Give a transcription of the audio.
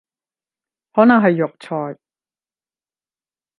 可能係藥材